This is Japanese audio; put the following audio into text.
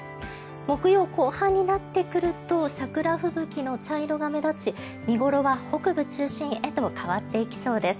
木曜後半になってくると桜吹雪の茶色が目立ち見頃は北部中心へと変わっていきそうです。